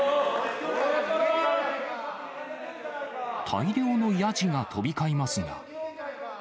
大量のやじが飛び交いますが。